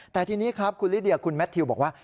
แต่ทีนี้ครับคุณลิเดียคุณแมททิวบอกว่า